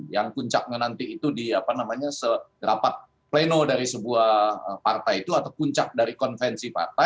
yang kuncak nanti itu di rapat pleno dari sebuah partai itu atau puncak dari konvensi itu